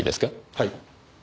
はい。